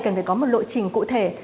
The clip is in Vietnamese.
cần phải có một lộ trình cụ thể